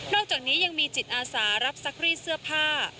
อกจากนี้ยังมีจิตอาสารับซักรีดเสื้อผ้า